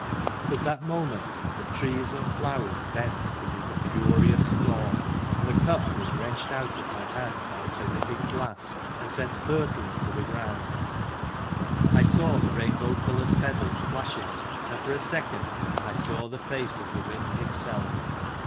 But that moment the trees and flowers bent beneath a furious storm, and the cup was wrenched out of my hand by a terrific blast and sent hurtling to the ground. I saw the rainbow coloured feathers flash ing, and for a second I saw the face of the Wind him self.